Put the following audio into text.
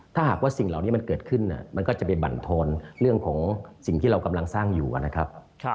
ถ้าหากว่าสิ่งเหล่านี้มันเกิดขึ้นมันก็จะไปบรรทนเรื่องของสิ่งที่เรากำลังสร้างอยู่นะครับ